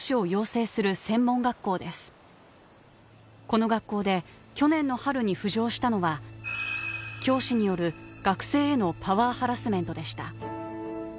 この学校で去年の春に浮上したのは教師による学生へのパワーハラスメントでした。